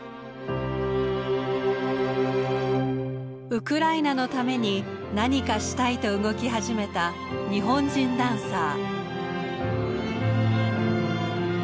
ウクライナのために何かしたいと動き始めた日本人ダンサー。